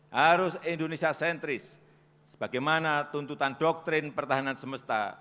harus indonesia sentris sebagaimana tuntutan doktrin pertahanan semesta